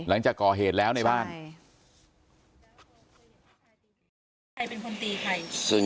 หลังจากก่อเหตุแล้วในบ้านใช่